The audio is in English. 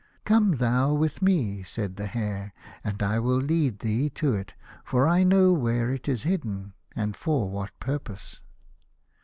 "Come thou with me," said the Hare, " and I will lead thee to it, for I know where it is hidden, and for what purpose."